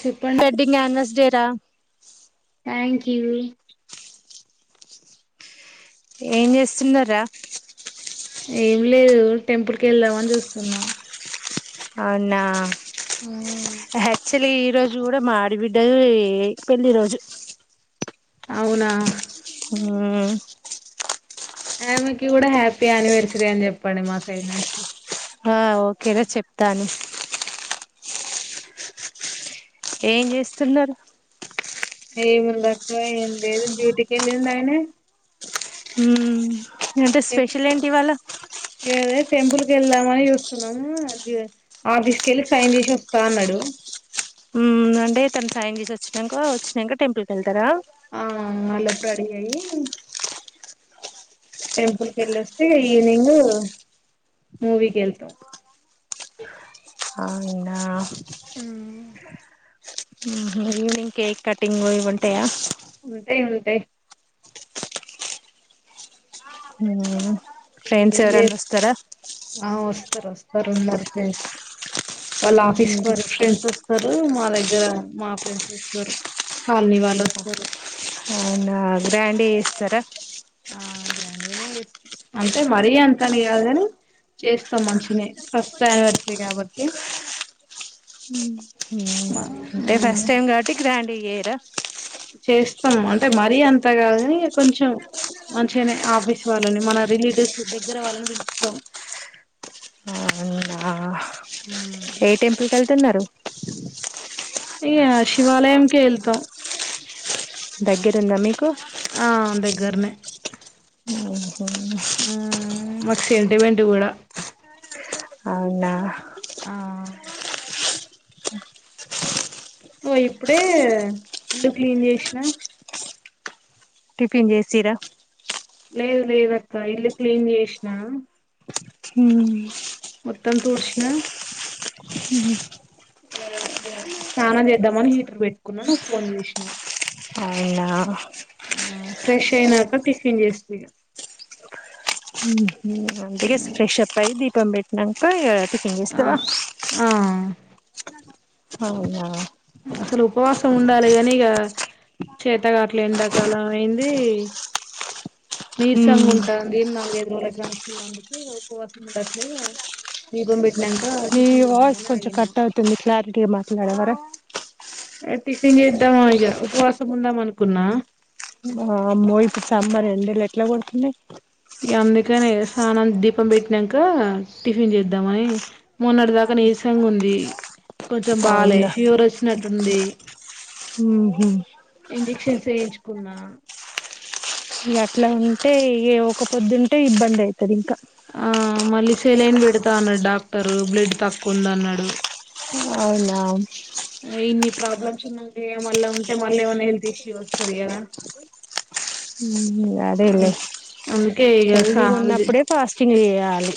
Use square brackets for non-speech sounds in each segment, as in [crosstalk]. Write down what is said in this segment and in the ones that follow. చెప్పండి హెడ్డింగ్ అనివస్ డేరా థ్యాంక్ యూ ఏం చేస్తున్నారా ఏమి లేదు టెంపుల్ కి వెళ్దామని చూస్తున్నా అవునా ఆక్చులీ ఈ రోజు కూడా మాడిబిడ్డది పెళ్లి రోజు అవునా ఊ ఆమెకి కూడా హ్యాపీ అనివర్సరీ అని చెప్పండి మా సైడ్ నుంచి ఆ ఓకేర చెప్తాను ఏం చేస్తున్నరు ఏమిందక్క ఏం లేదు డూటీకి వెళ్ళిండు ఆయన ఊం అంటే స్పెషల్ ఏంటివాళ టెంపుల్కెదామని జూస్తున్నాము అది ఆఫీస్కెల్లి సైన్ జేసి వస్తా అన్నాడు ఊ అంటే తన సైన్ చేసి వచ్చినాక వచ్చినాక టెంపుల్కెళ్తారా ఆ ఆ లోపు రెడీ అయ్యి టెంపుల్ కి వెళ్లి వస్తే ఈవినింగ్ మూవీకెళ్తాం అవునా ఉహు ఈవినింగ్ కేక్ కటింగ్ ఇవి ఉంటాయా ఉంటాయి ఉంటాయి ఊం మీరేం జే ఆ ఒస్తరొస్తరున్నరు ఫ్రెండ్స్ వాళ్ళ ఆఫీస్ ఫోర్ ఫ్రెండ్స్ వస్తారు మా దగ్గర మా ఫ్రెండ్స్ వస్తరు కాల్నీ వాల్లొస్తరు అవునా గ్రాండ్ గా చేస్తారా ఆ గ్రాండేనే చేస్ అంటే మరీ అంతని గాదు కానీ చేస్తాం మంచిగానే ఫస్ట్ యానివర్సరీ కాబట్టి ఉం ఊం అంటే మ్మ్. ఫస్ట్ టైం కాబట్టి గ్రాండ్ గా చెయ్యరా చేస్తాం అంటే మరీ అంత కాదు గాని కొంచెం మంచిగానే ఆఫీస్ వాళ్ళని మన రిలేటివ్స్ దగ్గర వాళ్ళని పిలుస్తాం ఆహా మ్మ్. తున్నారు ఇగ శివాలయంకే వెళ్తాం దగ్గర ఉందా మీకు ఆ దగ్గరనే స్ [inaudible] మ్మ్. మాకు సెంటిమెంట్ కూడా అవునా ఆ ఓ ఇప్పుడే ఇల్లు క్లీన్ చేసినా టిఫిన్ చేసిర్రా లేదు లేదు అక్క ఇల్లు క్లీన్ చేసినా హూమ్ మొత్తం తూడిచిన స్నానం చేద్దామని హీటర్ పెట్టుకున్నా నువ్వు ఫోన్ చేసినావు అవునా ఆ ఫ్రెష్ అయినాక టిఫిన్ చేస్త ఇగా ఆ ఇగా ఫ్రెష్ అప్ అయ్యి దీపం పెట్టినంక్కా టిఫిన్ ఆ చేస్తవా ఆ అవునా అసలు ఉపవాస ఉండాలి కాని ఇగా చేతకావట్లే ఎండాకాలం అయింది నీరసంగా ఉంటాది నాలుగై రోజులకా నుంచి అందుకే ఉపవాసం ఉండట్లే దీపం పెట్టి నీ వాయిస్ కొంచెం కట్ అవుతుంది క్లారిటీగా మాట్లాడవారా ఏ టిఫిన్ చేద్దామా ఇగా ఉపవాసం ఉందాం అనుకున్నా వామ్మో ఇప్పుడు సమ్మర్ ఎండలు ఎట్లా కొడుతున్నాయి యా అందుకనే స్నానం దీపం పెట్టిన్నాంక టిఫిన్ చేద్దాంమని మొన్నటి దాకా నీస ఉంది కొంచెం బాలే అవునా ఫీవర్ వచ్చినట్టుంది ఉహు. ఇంజెక్షన్స్ వేయించు కున్నా ఇగ అట్లా ఉంటే ఏ ఒక పొద్దుంటే ఇబ్బంది అయితది ఇంకా సెలన్ పెడతా అన్నాడు డాక్టరు బ్లడ్ తక్కువ ఉంది అన్నాడు అవునా ఇన్ని ప్రాబ్లమ్స్ ఉన్నాక మళ్ళా ఉంటే మళ్ళా ఏమైనా హెల్త్ ఇష్యూ వస్తుంది కదా [inaudible] హు అదేలే అందుకే ఇగ హెల్దీగా స్నానం చే ఉన్నప్పుడే ఫాస్టింగ్ చేయాలి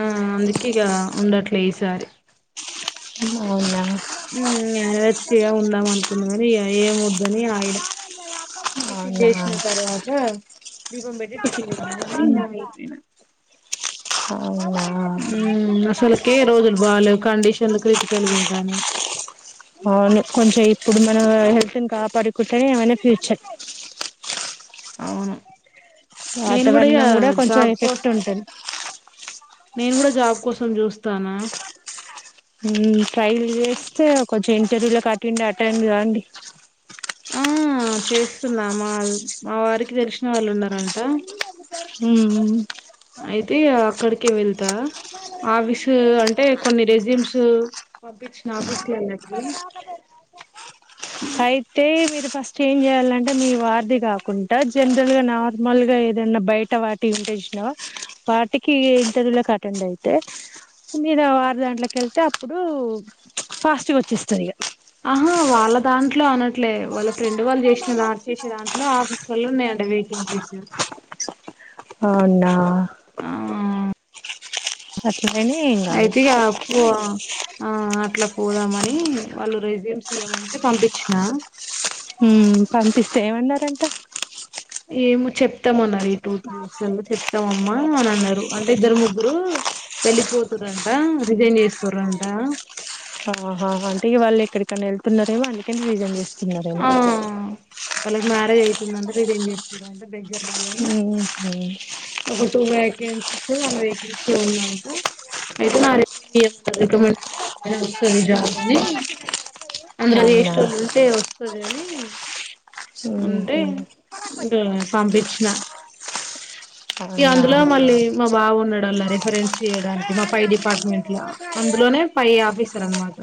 ఆ అందుకే ఇగ ఉండట్లే ఈసారి ఉన్ అవునా హ్మ్ యానివర్సిగా ఉందాం అనుకున్నా కాని ఏం వద్దని ఆగిన టిఫిన్ అవునా చేసిన తర్వాత దీపం పెట్టి టిఫిన్ చేద్దాం అని అగిపోయినా అవునా మ్మ్ అసలకే రోజులు బాలేవు కండిషన్లు క్రిటికల్గా ఉంటానయి అవును కొంచె ఇప్పుడు మనం హెల్త్ ను కాపాడుకుంటేనే ఏమైనా ఫ్యూచర్ అవును నేను గుడ ఇగ వాతావరణం కూడా కొంచెం జాబ్ కోస్ ఎఫెక్ట్ ఉంటుంది నేన్ గుడ జాబ్ కోసం చూస్తానా మ్ ట్రై చేస్తే కొంచెం ఇంటర్వ్యూలకు అటెండ్ అటెండ్ కాండి ఆ చేస్తున్న మాల్ మా వారికి తెల్షిన వాళ్ ఉన్నారంట హ్మ్ మ్ అయితే అ అక్కడ్కె వెళ్తా ఆవిసు అంటే కొన్ని రెజ్యూమ్స్ పంపించిన ఆఫీస్ లల్ల కి అయితే మీరు ఫస్ట్ ఏం చెయాలంటే మీ వార్ది కాకుండా జనరల్ గా నార్మల్ గా ఏదన్నా బైట వాటియి చూషణవా వాటికి ఇంటర్వ్యూలాక్ అటెండ్ అయితే మి ఇద వార్దాంట్లక వెళ్తే అప్పుడు ఫాస్ట్గా వచ్చేస్తాది ఇగ ఆహా వాళ్ళ దాంట్లో అనట్లే వాళ్ళ ఫ్రెండ్ వాళ్ళు చేసిన దాట్ చేసే దాంట్లో ఆఫ్ ఫుల్లున్నాయంటఅంట వేకెన్సిస్సు అవునా ఆ అట్లనే ఏం కాదు అయితీగ పోవ ఆ అట్లా పోదామని వాళ్ళు రేస్యమ్స్ ఇయమంటే పంపిచ్న మ్మ్ పంపిస్తే ఏమన్నారంట ఏమో చెప్తామన్నరు ఈ టూ త్రీ డేస్ వలో చెప్తాంమ్మా అని అన్నారు అంటే ఇద్దరు ముగ్గురు వెళ్ళిపోతురంట రిజైన్ చేస్తురంట ఆ హ హ అంటే ఇగ వాళ్ ఎక్కడికన్నా వెళ్తున్నారేమో అందుకని రిజైన్ చేస్తున్నారేమో ఆ వాళ్ళకి మ్యారేజ్ అయితుందంట రిజైన్ చేస్తున్న చేస్తున్నార్ అంట దగ్గర దయని ఉహు ఒక టూ వేకెన్సీసు వన్ వేకెన్సీ ఉందం అయితే నా రిక్ ఇ రిక్మాండేషన్ వస్తాది ఆ జాబ్ అని అందర్ అవునా చేష్టోళ్ళు ఉంటే వస్తదని మ్హు గా సంబిచ్న ఈయ అవునా అందులో మళ్ళీ మా బావున్నాడంల్లా రిఫరెన్స్ చేయడానికి మా పై డిపార్ట్మెంట్ల అందులోనే పై ఆఫీసర్ అన్మాట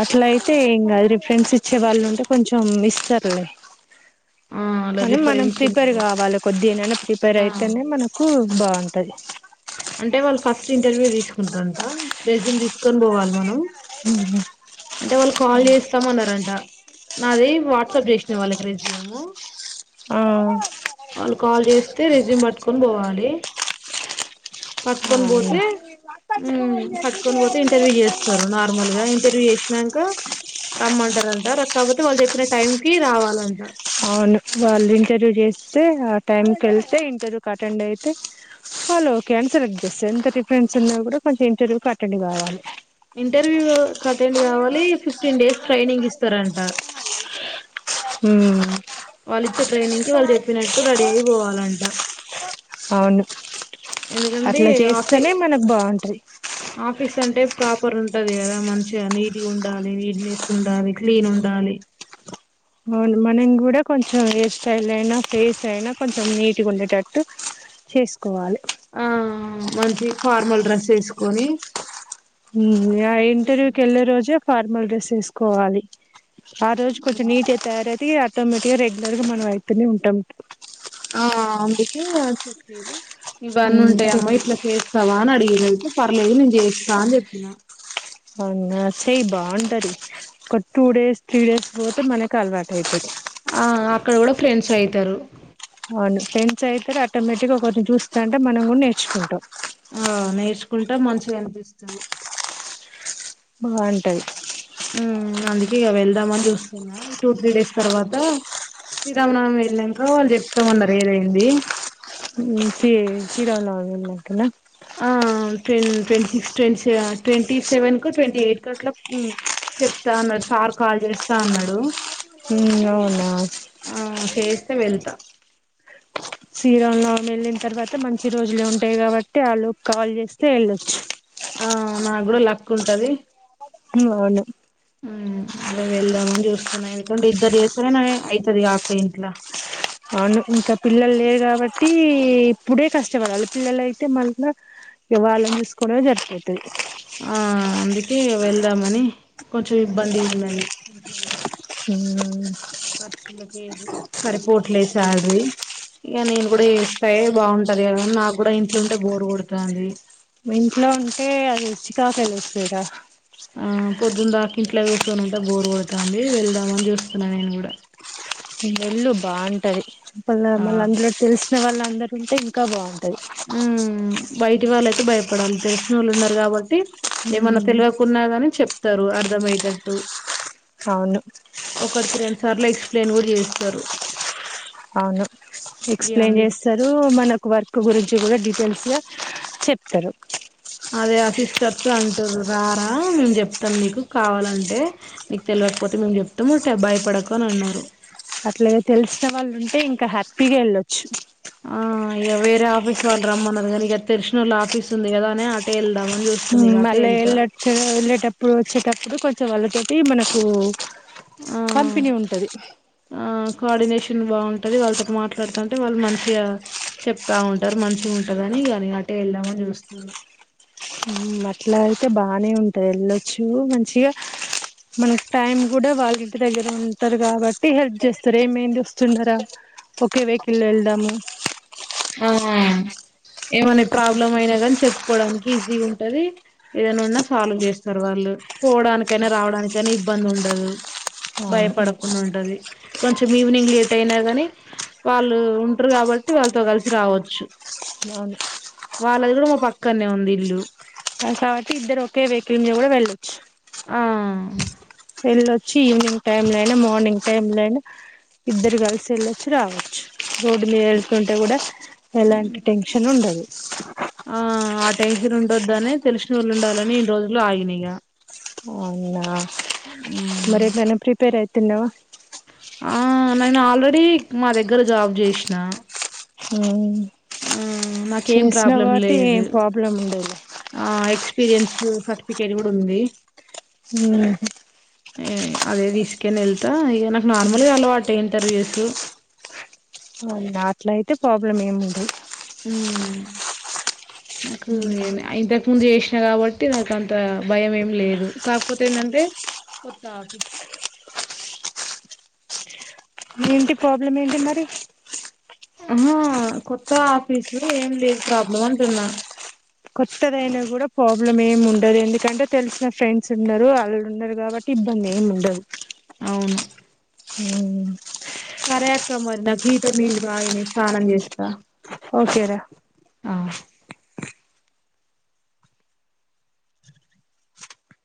అట్లయితే ఎంగాద్ రిఫరెన్స్ ఇచ్చే వాళ్లుంటే కొంచం ఇస్తర్లే ఆ అలా కని మనం రిఫరెన్స్ ప్రిపేర్ ఉన్నాడు గావాలే కొద్దిగానైనా ప్రిపేర్ ఆ అయితేనే మనకు బౌన్ తది అంటే వాళ్ ఫస్ట్ ఇంటర్వ్యూ తీసుకుంటారంట రెజ్యూమ్ తీస్కొన్ బోవాల్ మనం ఉ హుమ్ అంటే వాల్ కాల్ చేస్తామన్నారంట నాది వాట్సాప్ చేసిన వాళ్ళకి రెజ్యూము ఆ వాళ్ళు కాల్ చేస్తే రిజ్యూమ్ పట్కొని బోవాలి పట్కోన్ అవును బోతె ఉమ్ పట్కొన్ పోతే ఇంటర్వ్యూ చేస్తారు నార్మల్ గా ఇంటర్వ్యూ చేష్నంక రమ్మంటరంట రక్ కాపోతే వాళ్ చెప్పిన టైం కి రావాలంట రక్స్ వాల్ ఇంటర్వ్యూ చేస్తే ఆ టైంకెల్తే ఇంటర్వ్యూక్ అటెండ్ అయితే వలోక్ క్యాన్సరెక్ట్ చెస్ ఎంత రిఫరెన్స్ ఉన్నా కూడా కొంచెం ఇంటర్వ్యూక్ అటెండ్ గావాలే ఇంటర్వ్యూ అటెండ్ కావాలి ఫిఫ్టీన్ డేస్ ట్రైనింగ్ ఇస్తారంట [unintelligible] ఉ వాళ్ళు ఇచ్చే ట్రైనింగ్ కి వాళ్ళు చెప్పినట్టు రెడీ అయిపోవాలంట వన్ ఎందుకంటే అట్లా ఆఫీ చేస్తానే మనకు బాగుంటది ఆఫీస్ అంటే ప్రాపర్ ఉం ఉంటది కదా మంచిగా నీటి ఉండాలి నీట్నెస్ ఉండాలి క్లీన్ ఉండాలి అవును మనం కూడా కొంచెం హెయిర్ స్టైల్ అయినా ఫేస్ అయినా కొంచెం నీట్గా ఉండేటట్టు చేసుకోవాలే ఆ మంచి ఫార్మల్ డ్రెస్ ఎసుకొని ఉమ్ య ఇంటర్వ్యూ కేళ్ళే రోజే ఫార్మల్ డ్రెస్ ఎస్కోవాలి ఆ రోజు కొంచెం నీట్గా తయారైతే ఇగ ఆటోమేటిక్ గా రెగ్యులర్ గా మనం అయితనే ఉంటం ఆ అందుకే చెపిరు ఇవన్నీ ఉమ్, సో ఉంటాయమ్మా ఇట్లా చేస్తావా అని అడిగిరు అయి పర్లేదు నేను జేస్త అని చేప్పిన అవునా చేయి బాగుంటది ఒక టూ డేస్ త్రీ డేస్ పోతే మనకు అలవాటు అయితది ఆ అక్కడ కూడా ఫ్రెండ్స్ అయితారు అవును ఫ్రెండ్స్ అయితరు ఆటోమేటిక్ గా ఒకర్ని చూస్తంటే మనం కూడా నేర్చుకుంటాం ఆ నేర్చుకుంటే మంచిగనిపిస్తది బాగుంటది కి గా వెళ్దామని చూస్తున్నా ఈ టూ త్రీ డేస్ తర్వాత శ్రీరామనవమి వెళ్నంక వాళ్ళు చెప్తామన్నారు ఏదైంది ఇంకే శ్రీరామనవమి ఎల్లినంకన ఆ ట్వన్ twenty six twenty seven twenty seven కు ట్వంటీ ఎయిట్ కు అట్లా చెప్తా అన్నాడు సార్ కాల్ చేస్తా అన్నాడు ఉ అవునా ఆ చేస్తే వెళ్తా శ్రీరామనవమి వెళ్ళిన తర్వాత మంచి రోజులే ఉంటాయి కాబట్టి ఆలోపు కాలు చేస్తే వెళ్ళొచ్చు ఆ నాకు కూడా లక్ ఉంటది అవును అలా వెళ్దాంమని చూస్తున్నా ఎందుకంటే ఇద్దరు చేస్తానే అయితది కా అక్క ఇంట్ల అవును ఇంకా పిల్లలు లేరు కాబట్టి ఇప్పుడే కష్టపడాలి పిల్లల అయితే మళ్ళా ఇగ వాల్లను చూసుకోవడమే సరిపోతది ఆ అందుకే వెళ్దామని కొంచెం ఇబ్బంది ఉన్నది హ ఖర్చులకేది సరిపోట్లే శాలరీ ఇగ నేను కూడా చేస్తాయో బాగుంటది కద నా కూడా ఇంట్లుంటే బోరు కొడుతంది ఇంట్లో ఉంటే అది చీకాకే లేస్తదిర ఆ పొద్దున్ దాకా ఇంట్ల కూసోని ఉంటే బోరు కొడుతంది వెళ్దాం అని చూస్తున్నా నేను కూడా వెళ్ళు బాగుంటది పళ్ళ ఆ మళ్ళ అందులో తెలిసిన వాళ్ళందరు ఉంటే ఇంకా బాగుంటది ఉ బయటి వాళ్ళయితే భయపడాలి తెలిసినోళ్ళు ఉన్నారు కాబట్టి ఏమన్నా తెల్వకున్నా కాని చెప్తారు అర్ధమయ్యేటట్టు అవును ఒకడికి రెండు సార్లు ఎక్స్ప్లెయిన్ కూడా చేస్తారు అవును ఇగ ఎక్స్ప్లెయిన్ అంది చేస్తారు మనకు వర్క్ గురి చి కూడా డీటెయిల్స్ గా చెప్తారు అదే ఆ సిస్టర్స్ అంటురు రా రా మేము చెప్తాం నీకు కావాలంటే నీకు తెల్వకపో అయితే మేము చెప్తాము ఉటె భయపడకు అని అన్నారు అట్లాగా తెలిసిన వాళ్ళు ఉంటే ఇంకా హ్యాపీగా వెళ్ళొ ఆ ఇగ వేరే ఆఫీస్ వాళ్ళు రమ్మన్నారు కానీ ఇగా తెల్సినోళ్ళు ఆఫీస్ ఉంది కదా అని అటే ఎళ్దామా మళ్ళ వెళ్ళచ్చ వెళ్ళేటప్పుడు వచ్చేటప్పుడు కొంచెం వాళ్ళ తోటి మనకు ఆ కంపిని ఉంటది ఆ కోఆర్డినేషన్ బాగుంటది వాళ్ళతోటి మాట్లాడుతంటే వాళ్ళు మంచిగా చెప్తా ఉంటారు మంచిగా ఉంటదని అని అటే ఎల్దమని చూసుతున్న అట్లా అయితే బానే ఉంటాది ఎళ్ళొచ్చు మంచిగా మనకు టైం కూడా వాళ్ళు ఇంటి దగ్గర ఉంటారు కాబ హెల్ప్ చేస్తారు ఏమంది వస్తుండరాా ఒకే వెహికల్ వెళ్దాము ఆ ఏమైనా ప్రాబ్లమ్ అయినా కానీ చెప్పుకోడానికి ఈజీ ఉంటది ఏదనా ఉన్నా సాల్వ్ చేస్తారు వాళ్ళు పోవడానికైనా రావడానికైనా ఇబ్బంది ఉండ ఉండదు అవును భయపడకుండా ఉంటది కొంచెం ఈవినింగ్ లేట్ అయినా కానీ వాళ్ళు ఉంటారు కాబట్టి వాళ్ళతో కలిసి సి రావచ్చు అవును వాళ్ళది కూడా మా పక్కనే ఉంది ఇల్లు కాబట్టి ఇద్దరు ఒకే వెకిల్ మీద కూడా వెళ్ళొచ్చు ఆ వెళ్ళొచ్చి ఈవినింగ్ టైమ్ లో అయినా మార్నింగ్ టైమ్ లో అయిన ఇద్దరు కలిసి వెళ్ళొచ్చు రావచ్చు రోడ్డు మీద వెళ్తుంటే కూడా ఎలాంటి టెన్షన్ ఉండదు ఆ ఆ టెన్షన్ ఉండొద్దని తెలిసిన వాళ్ళు ఉండాలని ఇన్నీ రోజులు ఆగిన ఇగ అవునా మరేమైనా ప్రిపేర్ అయితున్నావ ఆ నేను ఆల్రెడీ మా దగ్గర జాబ్ చేసిన హ్మ్మ్ ఆ నాకేం ప్రాబ్లం లేదు ఏం ప్రాబ్లం ఉండదు ఆ ఎక్స్పీరియన్స్ స్ సర్టిఫికేట్ కూడా ఉంది ఉహు అదే తీసుకొని వెళ్తా ఇగా నాకు నార్మల్గా అలవాటె ఇంటర్వ్యూస్ అవు నాట్లు అయితే ప్రాబ్లం ఏం ఉండదు హ్మ్మ్ నాకు ఇంతకు ముందు చేసిన కాబట్టి నాక అంత భయం ఏం లేదు కాకపోతే ఏంటంటే కొత్త ఆఫీసు ఏంటి ప్రాబ్లం ఏంటి మరి ఆహా కొత్త ఆఫీసు ఏం లేదు ప్రాబ్లం అంటున్నా కొత్తదైనా కూడా ప్రాబ్లమ్ ఏమి ఉండదు ఎందుకంటే తెలిసిన ఫ్రెండ్స్ ఉన్నారు వాళ్ళు ఉన్నారు కాబట్టి ఇబ్బంది ఏముండదు అవును ఉహ్మ్మ్ సరే అక్క మరి నాకు హీటర్ నీళ్ళ కాయని స్నానం చేస్తా ఓకేరా ఆ